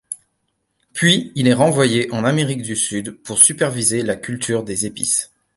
Puis, il est renvoyé en Amérique du sud pour superviser la culture des épices.